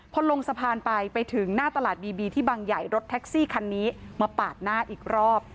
พอลงสะพานไปไปถึงหน้าตลาดบีบีที่บางใหญ่รถแท็กซี่คันนี้มาปาดหน้าอีกรอบ